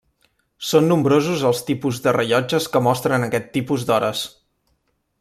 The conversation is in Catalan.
Són nombrosos els tipus de rellotges que mostren aquest tipus d'hores.